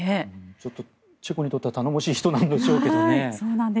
ちょっとチェコにとっては頼もしい人なんでしょうけどね。